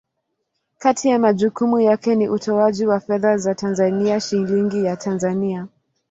Kati ya majukumu yake ni utoaji wa fedha za Tanzania, Shilingi ya Tanzania.